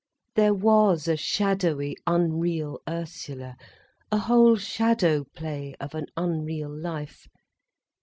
There was a shadowy unreal Ursula, a whole shadow play of an unreal life.